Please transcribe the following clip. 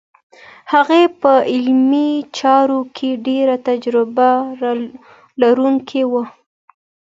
هغه په علمي چارو کې ډېر تجربه لرونکی و.